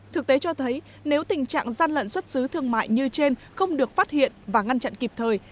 thực tế cho thấy nếu tình trạng gian lận xuất xứ thương mại như trên không được phát hiện và ngăn chặn kịp thời